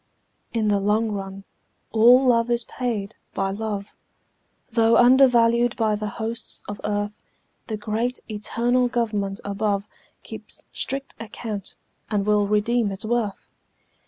In the long run all love is paid by love, Though undervalued by the hosts of earth; The great eternal Government above Keeps strict account and will redeem its worth.